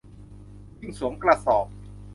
วิ่งสวมกระสอบ